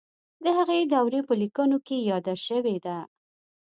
د هغې دورې په لیکنو کې یاده شوې ده.